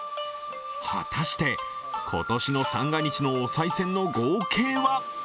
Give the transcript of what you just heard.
果たして、今年の三が日のおさい銭の合計は？